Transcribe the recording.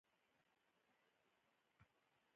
د حاصلاتو ذخیره کول د اقتصاد لپاره حیاتي دي.